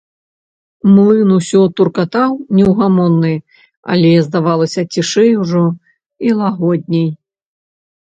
Млын усё туркатаў, неўгамонны, але, здавалася, цішэй ужо і лагодней.